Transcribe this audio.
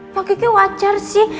pak gigi wajar sih